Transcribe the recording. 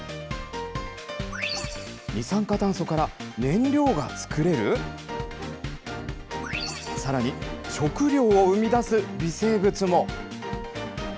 二酸化炭素から燃料が作れる？さらに食料を生み出す微生物も。